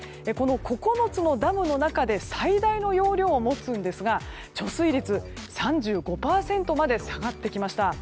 ９つのダムの中で最大の容量を持つんですが貯水率３５％まで下がってきました。